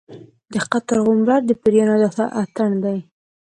د قطر غومبر د پیریانو داسې اتڼ دی.